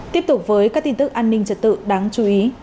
tiếp tục với các tin tức an ninh trật tự đáng chú ý